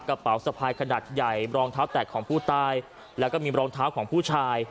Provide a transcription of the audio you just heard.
กระเป๋าสะพายขนาดใหญ่รองเท้าแตกของผู้ตายแล้วก็มีรองเท้าของผู้ชาย